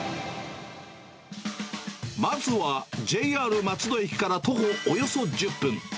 まずはＪＲ松戸駅から徒歩およそ１０分。